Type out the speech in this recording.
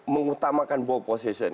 mengutamakan ball position